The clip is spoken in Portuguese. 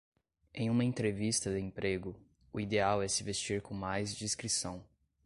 Em uma entrevista de emprego, o ideal é se vestir com mais discrição.